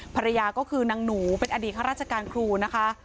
ภรรยาก็คือนางหนูเป็นอดีตข้าราชการครูนะคะ